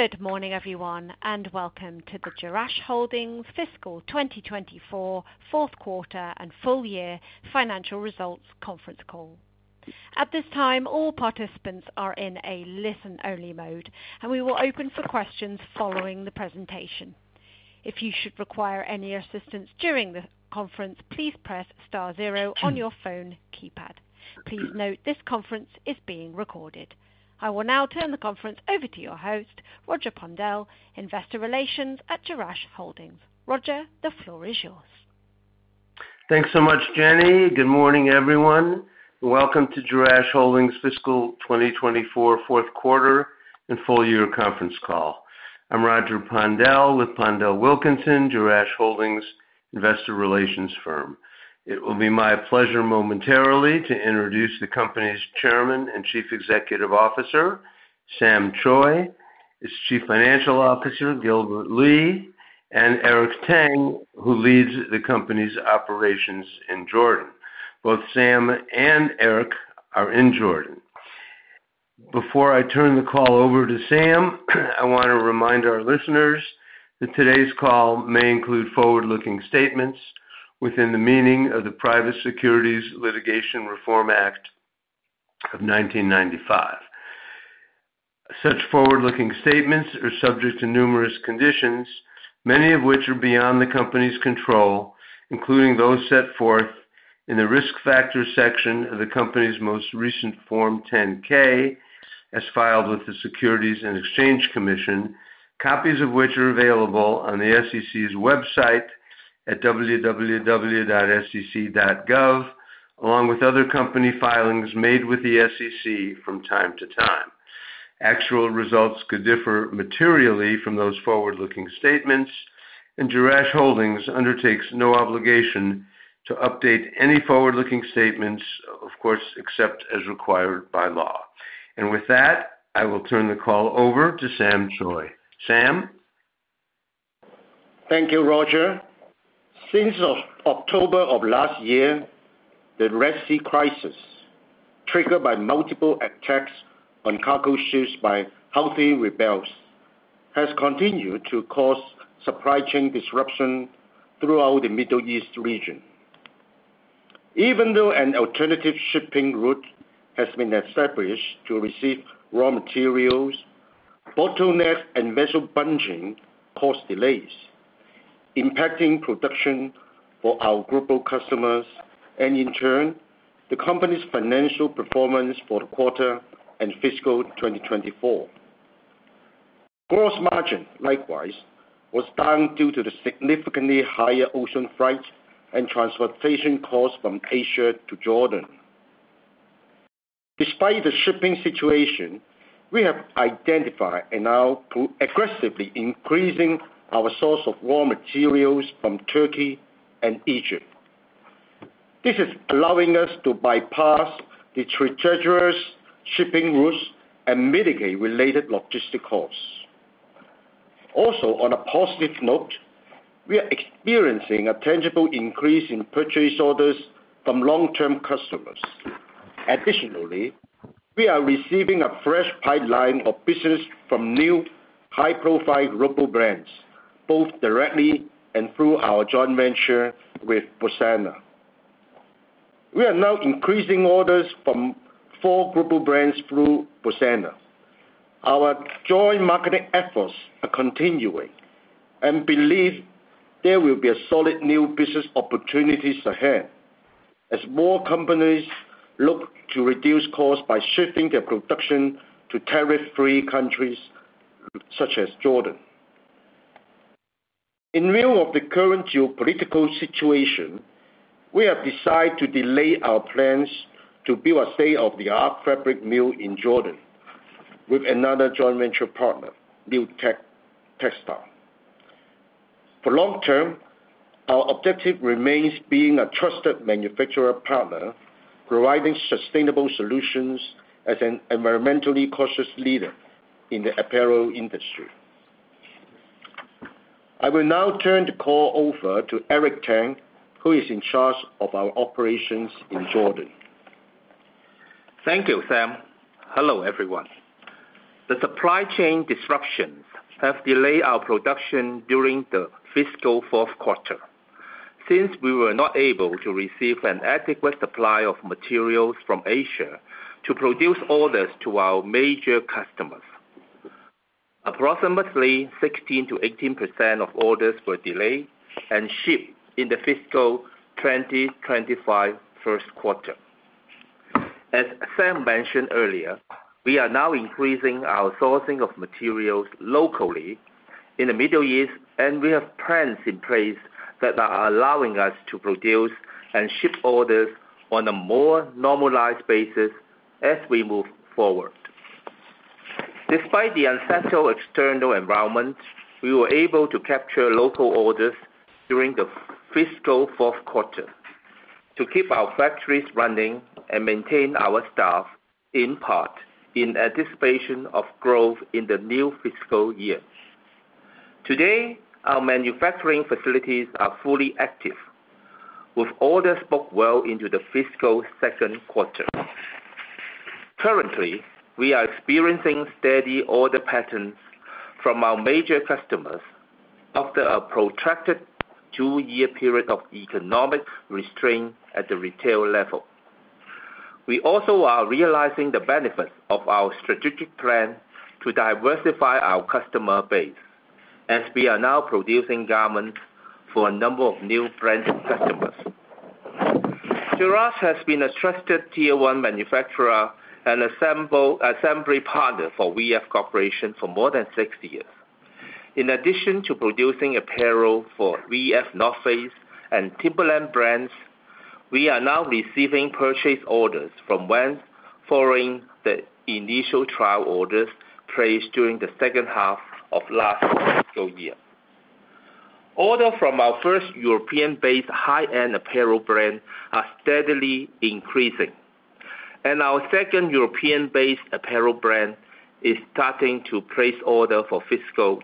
Good morning, everyone, and welcome to the Jerash Holdings fiscal 2024 fourth quarter and full year financial results conference call. At this time, all participants are in a listen-only mode, and we will open for questions following the presentation. If you should require any assistance during the conference, please press star zero on your phone keypad. Please note, this conference is being recorded. I will now turn the conference over to your host, Roger Pondel, Investor Relations at Jerash Holdings. Roger, the floor is yours. Thanks so much, Jenny. Good morning, everyone. Welcome to Jerash Holdings fiscal 2024 fourth quarter and full year conference call. I'm Roger Pondel with PondelWilkinson, Jerash Holdings investor relations firm. It will be my pleasure momentarily to introduce the company's Chairman and Chief Executive Officer, Sam Choi; his Chief Financial Officer, Gilbert Lee; and Eric Tang, who leads the company's operations in Jordan. Both Sam and Eric are in Jordan. Before I turn the call over to Sam, I want to remind our listeners that today's call may include forward-looking statements within the meaning of the Private Securities Litigation Reform Act of 1995. Such forward-looking statements are subject to numerous conditions, many of which are beyond the company's control, including those set forth in the risk factors section of the company's most recent Form 10-K, as filed with the Securities and Exchange Commission. Copies of which are available on the SEC's website at www.sec.gov, along with other company filings made with the SEC from time to time. Actual results could differ materially from those forward-looking statements, and Jerash Holdings undertakes no obligation to update any forward-looking statements, of course, except as required by law. With that, I will turn the call over to Sam Choi. Sam? Thank you, Roger. Since October of last year, the Red Sea crisis, triggered by multiple attacks on cargo ships by Houthi rebels, has continued to cause supply chain disruption throughout the Middle East region. Even though an alternative shipping route has been established to receive raw materials, bottleneck and vessel bunching cause delays, impacting production for our group of customers, and in turn, the company's financial performance for the quarter and fiscal 2024. Gross margin, likewise, was down due to the significantly higher ocean freight and transportation costs from Asia to Jordan. Despite the shipping situation, we have identified and are aggressively increasing our source of raw materials from Turkey and Egypt. This is allowing us to bypass the treacherous shipping routes and mitigate related logistic costs. Also, on a positive note, we are experiencing a tangible increase in purchase orders from long-term customers. Additionally, we are receiving a fresh pipeline of business from new high-profile global brands, both directly and through our joint venture with Busana. We are now increasing orders from four groups of brands through Busana. Our joint marketing efforts are continuing, and we believe there will be solid new business opportunities ahead as more companies look to reduce costs by shifting their production to tariff-free countries such as Jordan. In view of the current geopolitical situation, we have decided to delay our plans to build a state-of-the-art fabric mill in Jordan with another joint venture partner, Newtech Textile. For the long term, our objective remains being a trusted manufacturer partner, providing sustainable solutions as an environmentally conscious leader in the apparel industry. I will now turn the call over to Eric Tang, who is in charge of our operations in Jordan. Thank you, Sam. Hello, everyone. The supply chain disruptions have delayed our production during the fiscal fourth quarter. Since we were not able to receive an adequate supply of materials from Asia to produce orders to our major customers, approximately 16%-18% of orders were delayed and shipped in the fiscal 2025 first quarter. As Sam mentioned earlier, we are now increasing our sourcing of materials locally in the Middle East, and we have plans in place that are allowing us to produce and ship orders on a more normalized basis as we move forward. Despite the unsettled external environment, we were able to capture local orders during the fiscal fourth quarter to keep our factories running and maintain our staff, in part, in anticipation of growth in the new fiscal year. Today, our manufacturing facilities are fully active, with orders booked well into the fiscal second quarter. Currently, we are experiencing steady order patterns from our major customers after a protracted two-year period of economic restraint at the retail level. We also are realizing the benefits of our strategic plan to diversify our customer base, as we are now producing garments for a number of new brand customers. Jerash has been a trusted tier-one manufacturer and assembly partner for VF Corporation for more than 60 years. In addition to producing apparel for VF, North Face, and Timberland brands, we are now receiving purchase orders from Vans following the initial trial orders placed during the second half of last fiscal year. Orders from our first European-based high-end apparel brand are steadily increasing, and our second European-based apparel brand is starting to place order for fiscal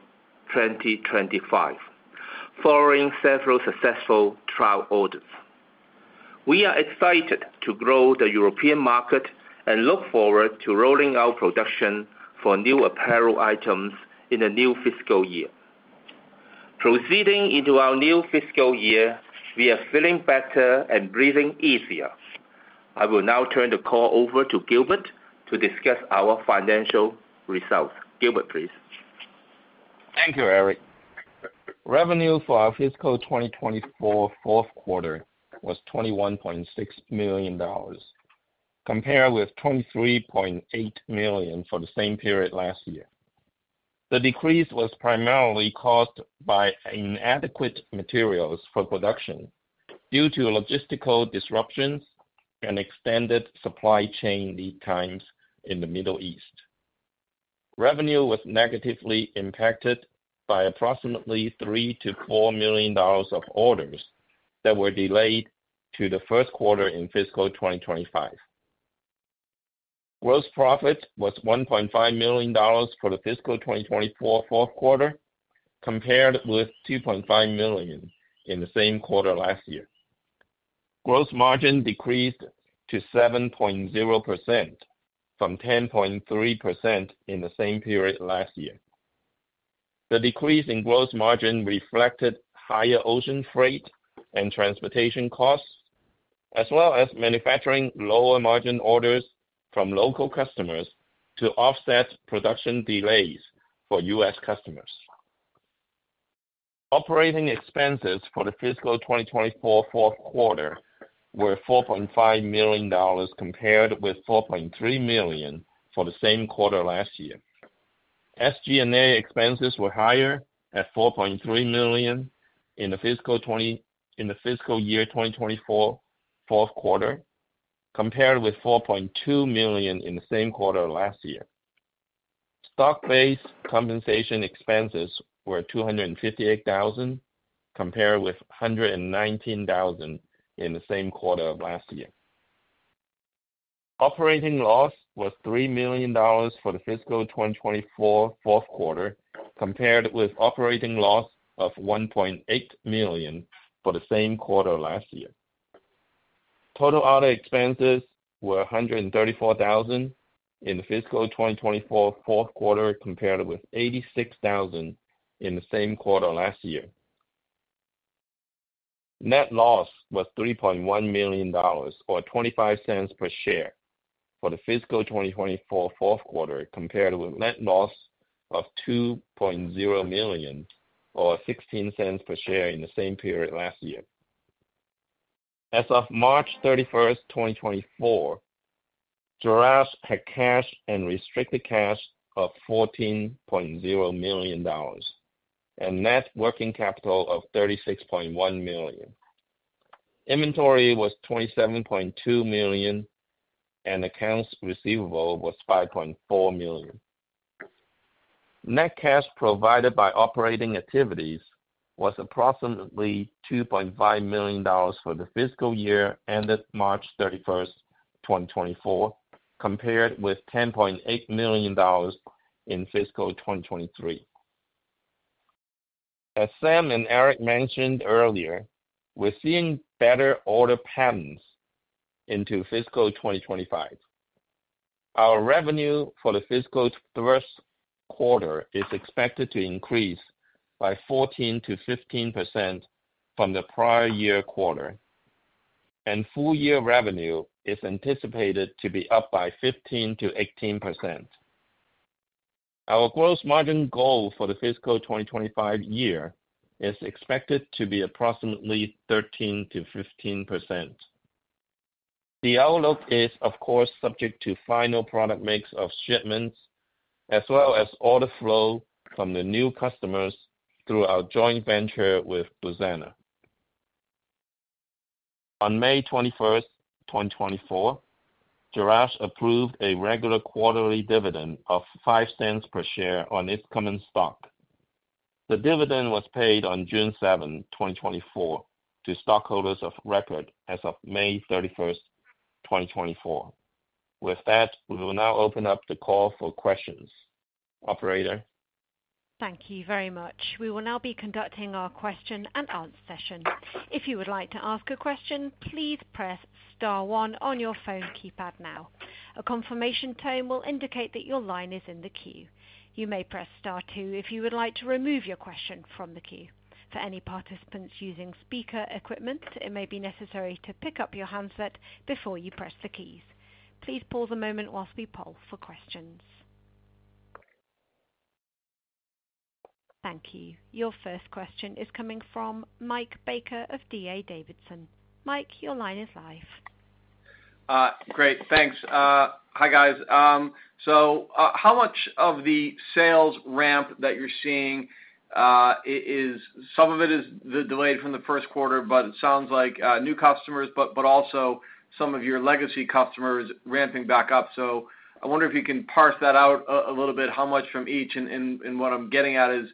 2025, following several successful trial orders. We are excited to grow the European market and look forward to rolling out production for new apparel items in the new fiscal year. Proceeding into our new fiscal year, we are feeling better and breathing easier. I will now turn the call over to Gilbert to discuss our financial results. Gilbert, please. Thank you, Eric. Revenue for our fiscal 2024 fourth quarter was $21.6 million, compared with $23.8 million for the same period last year. The decrease was primarily caused by inadequate materials for production due to logistical disruptions and extended supply chain lead times in the Middle East. Revenue was negatively impacted by approximately $3 million-$4 million of orders that were delayed to the first quarter in fiscal 2025. Gross profit was $1 million for the fiscal 2024 fourth quarter, compared with $2.5 million in the same quarter last year. Gross margin decreased to 7.0% from 10.3% in the same period last year. The decrease in gross margin reflected higher ocean freight and transportation costs, as well as manufacturing lower margin orders from local customers to offset production delays for U.S. customers. Operating expenses for the fiscal 2024 fourth quarter were $4.5 million, compared with $4.3 million for the same quarter last year. SG&A expenses were higher at $4.3 million in the fiscal year 2024 fourth quarter, compared with $4.2 million in the same quarter last year. Stock-based compensation expenses were $258,000, compared with $119,000 in the same quarter of last year. Operating loss was $3 million for the fiscal 2024 fourth quarter, compared with operating loss of $1.8 million for the same quarter last year. Total other expenses were $134,000 in the fiscal 2024 fourth quarter, compared with $86,000 in the same quarter last year. Net loss was $3.1 million, or $0.25 per share for the fiscal 2024 fourth quarter, compared with net loss of $2.0 million, or $0.16 per share in the same period last year. As of March 31, 2024, Jerash had cash and restricted cash of $14.0 million and net working capital of $36.1 million. Inventory was $27.2 million, and accounts receivable was $5.4 million. Net cash provided by operating activities was approximately $2.5 million for the fiscal year ended March 31, 2024, compared with $10.8 million in fiscal 2023. As Sam and Eric mentioned earlier, we're seeing better order patterns into fiscal 2025. Our revenue for the fiscal first quarter is expected to increase by 14%-15% from the prior year quarter, and full year revenue is anticipated to be up by 15%-18%. Our gross margin goal for the fiscal 2025 year is expected to be approximately 13%-15%. The outlook is, of course, subject to final product mix of shipments, as well as order flow from the new customers through our joint venture with Busana. On May 21, 2024, Jerash approved a regular quarterly dividend of $0.05 per share on its common stock. The dividend was paid on June 7, 2024, to stockholders of record as of May 31, 2024. With that, we will now open up the call for questions. Operator? Thank you very much. We will now be conducting our question and answer session. If you would like to ask a question, please press star one on your phone keypad now. A confirmation tone will indicate that your line is in the queue. You may press star two if you would like to remove your question from the queue. For any participants using speaker equipment, it may be necessary to pick up your handset before you press the keys. Please pause a moment while we poll for questions. Thank you. Your first question is coming from Mike Baker of D.A. Davidson. Mike, your line is live. Great, thanks. Hi, guys. So, how much of the sales ramp that you're seeing, some of it is the delay from the first quarter, but it sounds like new customers but also some of your legacy customers ramping back up. So I wonder if you can parse that out a little bit. How much from each, and what I'm getting at is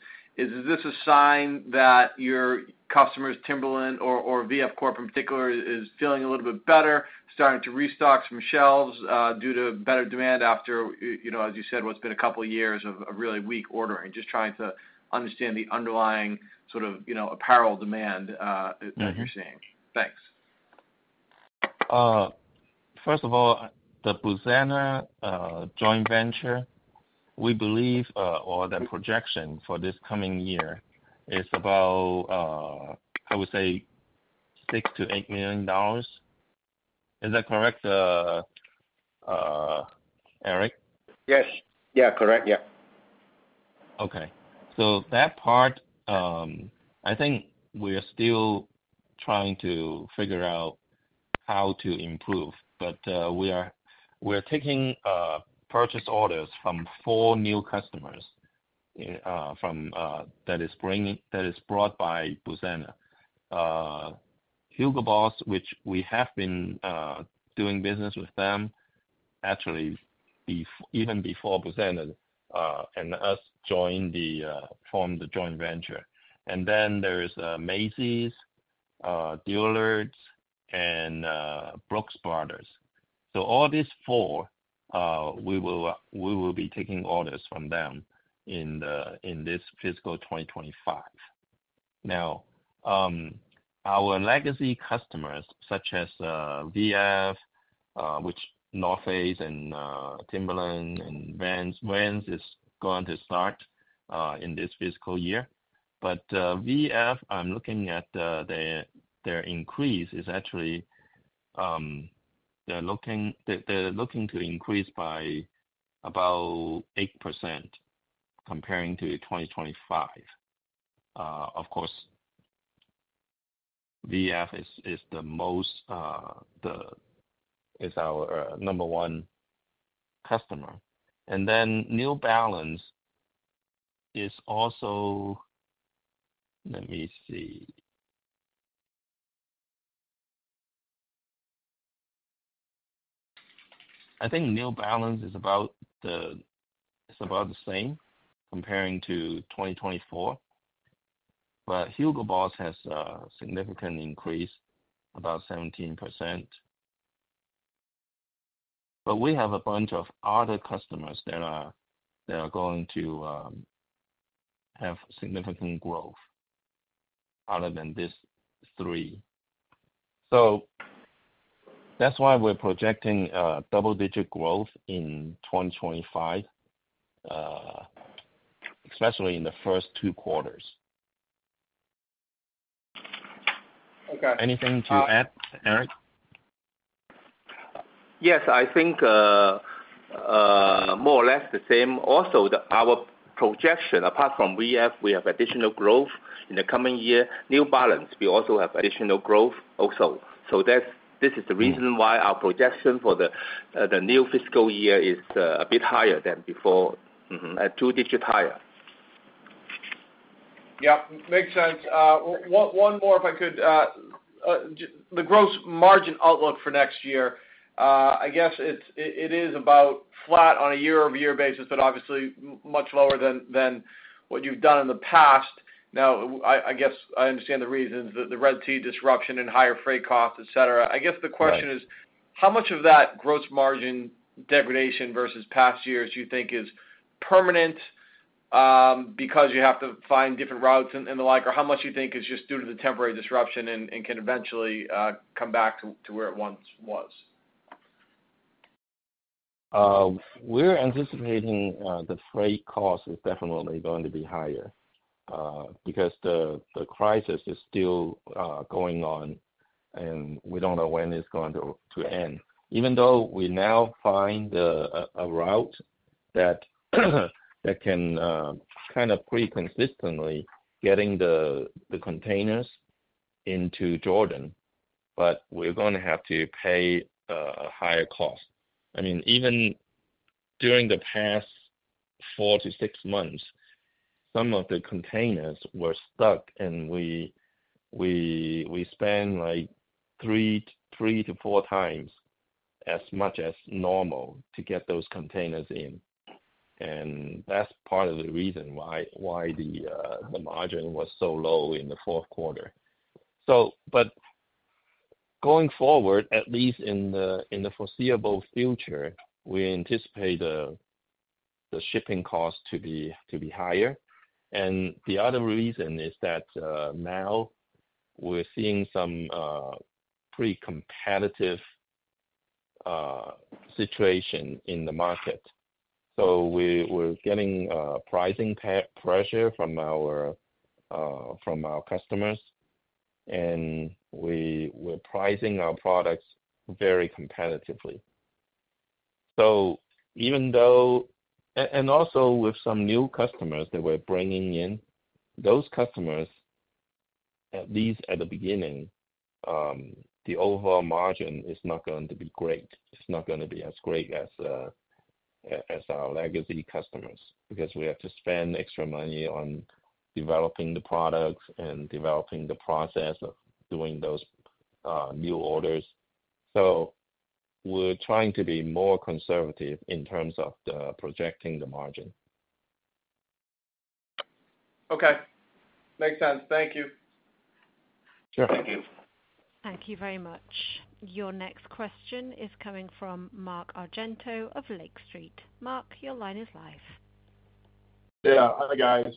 this a sign that your customers, Timberland or VF Corp in particular, is feeling a little bit better, starting to restock some shelves due to better demand after you know, as you said, what's been a couple of years of really weak ordering? Just trying to understand the underlying sort of you know, apparel demand that you're seeing. Thanks. First of all, the Busana joint venture, we believe, or the projection for this coming year is about, I would say $6 million-$8 million. Is that correct, Eric? Yes. Yeah, correct. Yeah. Okay. So that part, I think we are still trying to figure out how to improve, but we are taking purchase orders from four new customers from that is brought by Busana. Hugo Boss, which we have been doing business with them actually even before Busana and us joined the formed the joint venture. And then there's Macy's, Dillard's and Brooks Brothers. So all these four, we will be taking orders from them in the in this fiscal 2025. Now, our legacy customers, such as VF, which North Face and Timberland and Vans. Vans is going to start in this fiscal year. But, VF, I'm looking at their increase is actually they're looking to increase by about 8% comparing to 2025. Of course, VF is the most is our number one customer. And then New Balance is also let me see. I think New Balance is about the same comparing to 2024, but Hugo Boss has a significant increase, about 17%. But we have a bunch of other customers that are going to have significant growth other than these three. So that's why we're projecting a double-digit growth in 2025, especially in the first two quarters. Okay. Anything to add, Eric? Yes, I think, more or less the same. Also, our projection, apart from VF, we have additional growth in the coming year. New Balance, we also have additional growth also. So that's, this is the reason why our projection for the new fiscal year is a bit higher than before. Two digit higher. Yep, makes sense. One more, if I could. The gross margin outlook for next year, I guess it's about flat on a year-over-year basis, but obviously much lower than what you've done in the past. Now, I guess I understand the reasons, the Red Sea disruption and higher freight costs, et cetera. Right. I guess the question is: How much of that gross margin degradation versus past years do you think is permanent, because you have to find different routes and the like, or how much do you think is just due to the temporary disruption and can eventually come back to where it once was? We're anticipating the freight cost is definitely going to be higher because the crisis is still going on, and we don't know when it's going to end. Even though we now find a route that can kind of pretty consistently getting the containers into Jordan, but we're gonna have to pay a higher cost. I mean, even during the past four to six months, some of the containers were stuck, and we spent like three to four times as much as normal to get those containers in and that's part of the reason why the margin was so low in the fourth quarter. So but going forward, at least in the foreseeable future, we anticipate the shipping costs to be higher. And the other reason is that, now we're seeing some pretty competitive situation in the market. So we're getting pricing pressure from our customers, and we're pricing our products very competitively. So even though, and also with some new customers that we're bringing in, those customers, at least at the beginning, the overall margin is not going to be great. It's not gonna be as great as our legacy customers, because we have to spend extra money on developing the products and developing the process of doing those new orders. So we're trying to be more conservative in terms of projecting the margin. Okay. Makes sense. Thank you. Sure. Thank you. Thank you very much. Your next question is coming from Mark Argento of Lake Street. Mark, your line is live. Yeah. Hi, guys.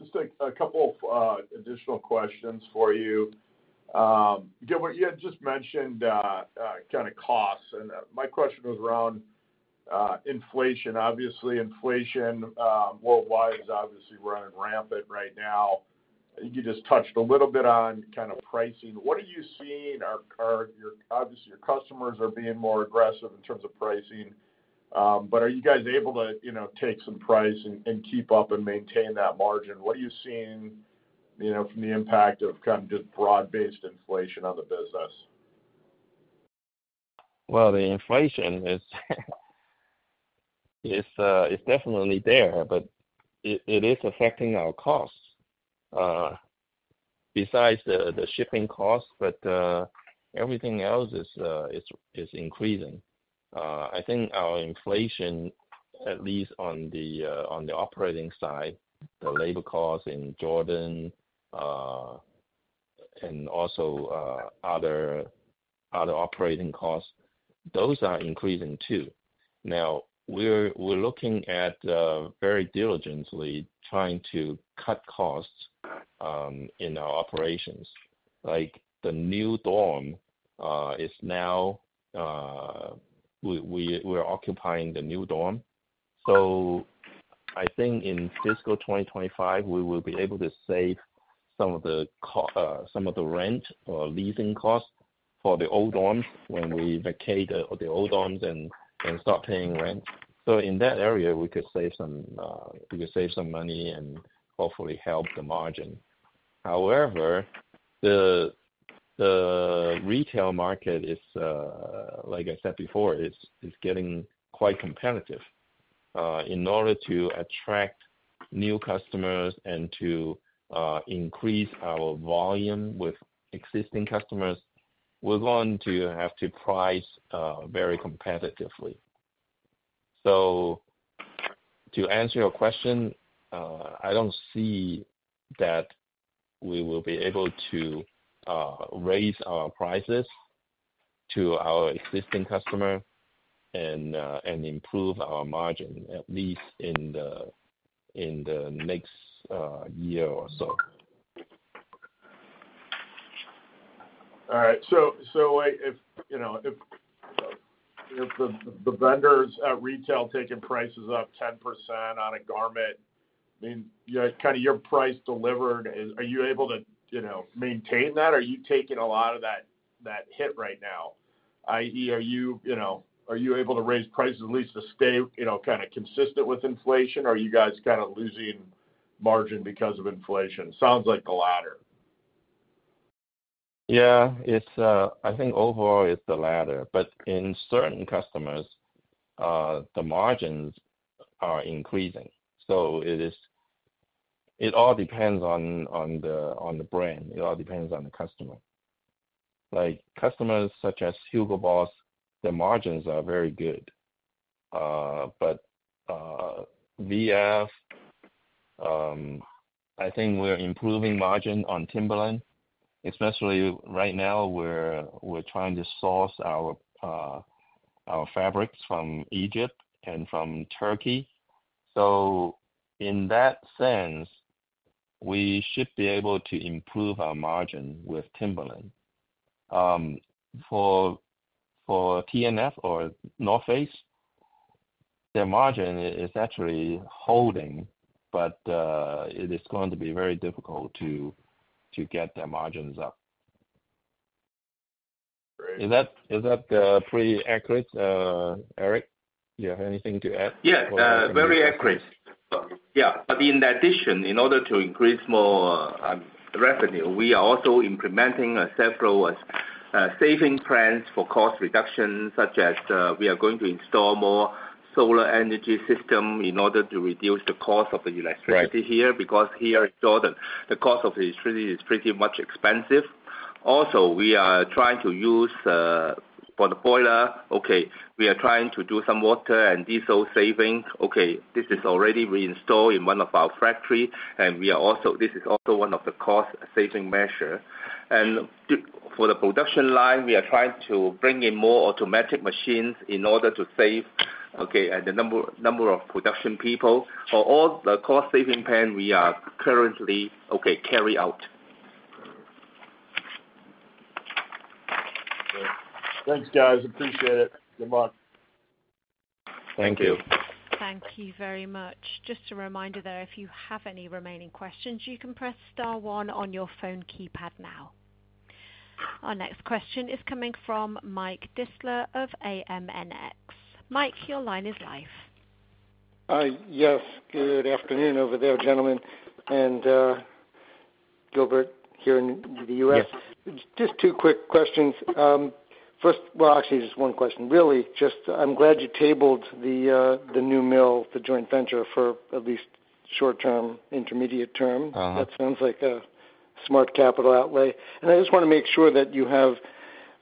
Just a couple of additional questions for you. You know what? You had just mentioned kind of costs, and my question was around inflation. Obviously, inflation worldwide is obviously running rampant right now. You just touched a little bit on kind of pricing. What are you seeing? Are your—obviously, your customers are being more aggressive in terms of pricing, but are you guys able to, you know, take some price and keep up and maintain that margin? What are you seeing, you know, from the impact of kind of just broad-based inflation on the business? Well, the inflation is definitely there, but it is affecting our costs. Besides the shipping costs, but everything else is increasing. I think our inflation, at least on the operating side, the labor costs in Jordan, and also other operating costs, those are increasing too. Now, we're looking at very diligently trying to cut costs in our operations. Like, the new dorm is now we're occupying the new dorm. So I think in fiscal 2025, we will be able to save some of the rent or leasing costs for the old dorms when we vacate the old dorms and stop paying rent. So in that area, we could save some, we could save some money and hopefully help the margin. However, the retail market is, like I said before, is getting quite competitive. In order to attract new customers and to, increase our volume with existing customers, we're going to have to price, very competitively. So to answer your question, I don't see that we will be able to, raise our prices to our existing customer and, and improve our margin, at least in the, in the next, year or so. All right, so, like, if, you know, if the vendors at retail taking prices up 10% on a garment, I mean, yeah, kind of your price delivered, are you able to, you know, maintain that? Are you taking a lot of that hit right now, i.e., are you, you know, able to raise prices at least to stay, you know, kind of consistent with inflation, or are you guys kind of losing margin because of inflation? Sounds like the latter. Yeah, it's, I think overall it's the latter, but in certain customers, the margins are increasing. So it all depends on the brand. It all depends on the customer. Like, customers such as Hugo Boss, the margins are very good. But, VF, I think we're improving margin on Timberland, especially right now, we're trying to source our fabrics from Egypt and from Turkey. So in that sense, we should be able to improve our margin with Timberland. For TNF or North Face, their margin is actually holding, but it is going to be very difficult to get their margins up. Great. Is that pretty accurate, Eric? Do you have anything to add? Yeah, very accurate. Yeah, but in addition, in order to increase more revenue, we are also implementing several saving plans for cost reduction, such as we are going to install more solar energy system in order to reduce the cost of the electricity. Right here, because here in Jordan, the cost of the electricity is pretty much expensive. Also, we are trying to use, for the boiler, okay, we are trying to do some water and diesel saving. Okay, this is already reinstalled in one of our factory, and we are also, this is also one of the cost-saving measure. And for the production line, we are trying to bring in more automatic machines in order to save, okay, and the number, number of production people. For all the cost-saving plan, we are currently, okay, carry out. Thanks, guys. Appreciate it. Good luck. Thank you. Thank you very much. Just a reminder there, if you have any remaining questions, you can press star one on your phone keypad now. Our next question is coming from Mike Distler of AMNIX. Mike, your line is live. Yes, good afternoon over there, gentlemen, and Gilbert, here in the U.S. Yes. Just two quick questions. First, well, actually, just one question, really. Just I'm glad you tabled the, the new mill, the joint venture, for at least short-term, intermediate term. That sounds like a smart capital outlay. I just wanna make sure that you have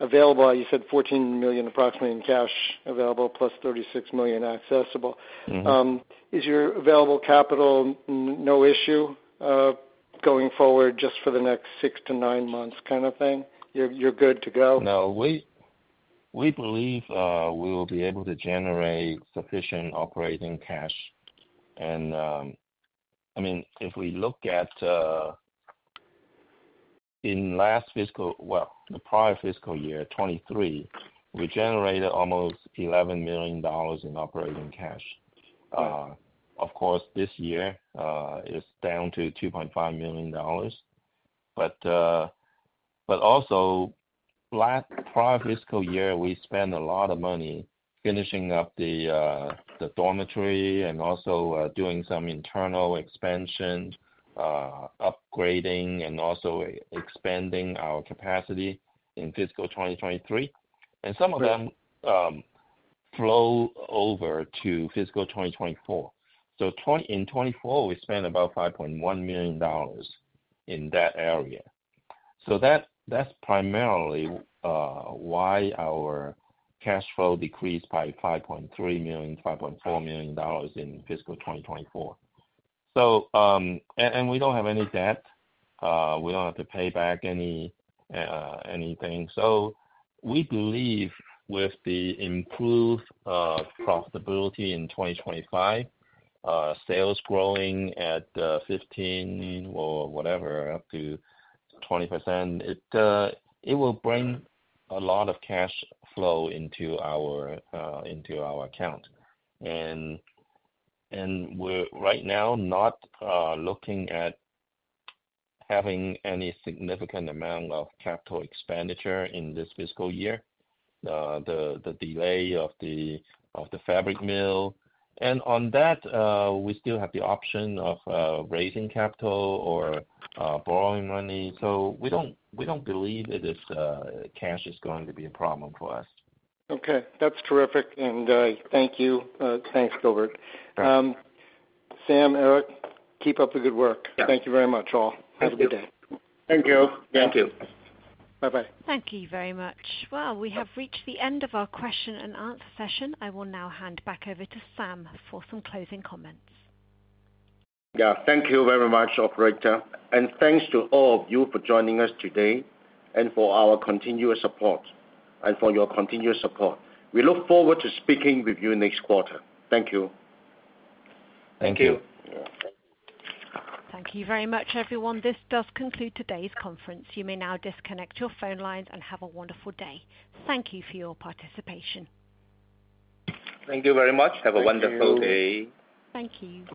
available, you said $14 million approximately in cash available, plus $36 million accessible. Is your available capital no issue, going forward, just for the next six to nine months kind of thing? You're, you're good to go? No, we, we believe we'll be able to generate sufficient operating cash. And, I mean, if we look at in last fiscal well, the prior fiscal year, 2023, we generated almost $11 million in operating cash. Yeah. Of course, this year, it's down to $2.5 million. But also, last prior fiscal year, we spent a lot of money finishing up the dormitory and also doing some internal expansion, upgrading and also expanding our capacity in fiscal 2023. Right. Some of them flow over to fiscal 2024. So in 2024, we spent about $5.1 million in that area. So that's primarily why our cash flow decreased by $5.3 million-$5.4 million in fiscal 2024. So and we don't have any debt. We don't have to pay back any anything. So we believe with the improved profitability in 2025, sales growing at 15% or whatever, up to 20%, it will bring a lot of cash flow into our account. And we're right now not looking at having any significant amount of capital expenditure in this fiscal year. The delay of the fabric mill. On that, we still have the option of raising capital or borrowing money, so we don't, we don't believe that this cash is going to be a problem for us. Okay. That's terrific, and, thank you. Thanks, Gilbert. Right. Sam, Eric, keep up the good work. Yeah. Thank you very much, all. Thank you. Have a good day. Thank you. Thank you. Bye-bye. Thank you very much. Well, we have reached the end of our question and answer session. I will now hand back over to Sam for some closing comments. Yeah, thank you very much, operator, and thanks to all of you for joining us today and for our continuous support, and for your continuous support. We look forward to speaking with you next quarter. Thank you. Thank you. Yeah. Thank you very much, everyone. This does conclude today's conference. You may now disconnect your phone lines and have a wonderful day. Thank you for your participation. Thank you very much. Thank you. Have a wonderful day. Thank you.